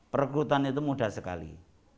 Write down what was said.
peregrutan itu mudah sekali